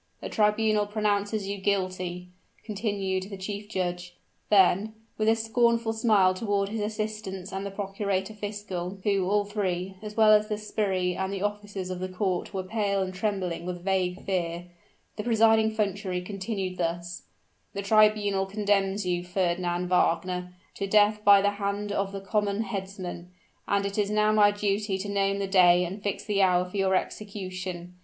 "The tribunal pronounces you guilty!" continued the chief judge: then, with a scornful smile toward his assistants and the procurator fiscal who all three, as well as the sbirri and the officers of the court were pale and trembling with vague fear the presiding functionary continued thus: "The tribunal condemns you, Fernand Wagner, to death by the hand of the common headsman; and it is now my duty to name the day and fix the hour for your execution.